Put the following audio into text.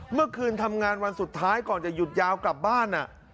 เมื่อคืนทำงานวันสุดท้ายก่อนจะหยุดยาวกลับบ้าน